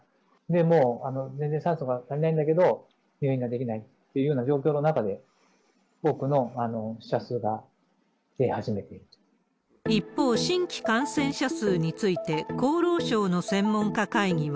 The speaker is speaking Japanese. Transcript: もう全然酸素が足りないんだけど、入院ができないっていうような状況の中で、一方、新規感染者数について、厚労省の専門家会議は、